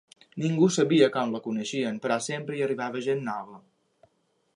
Ningú sabia com la coneixien, però sempre hi arribava gent nova.